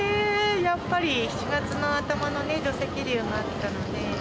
やっぱり、７月の頭の土石流もあったので。